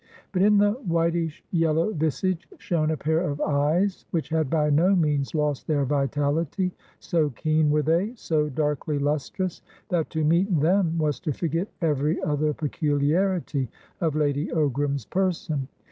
But in the whitish yellow visage shone a pair of eyes which had by no means lost their vitality; so keen were they, so darkly lustrous, that to meet them was to forget every other peculiarity of Lady Ogram's person.